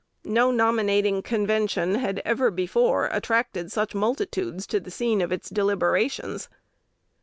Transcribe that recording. No nominating convention had ever before attracted such multitudes to the scene of its deliberations.